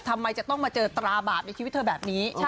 ทำไมจะต้องมาเจอตราบาปในชีวิตเธอแบบนี้